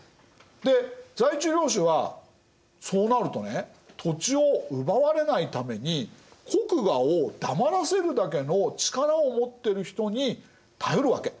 で在地領主はそうなるとね土地を奪われないために国衙を黙らせるだけの力を持ってる人に頼るわけ。